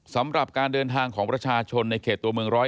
สำหรับการเดินทางของประชาชนในเขตตัวเมือง๑๐๑